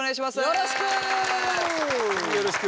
よろしく。